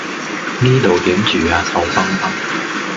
呢度點住呀臭崩崩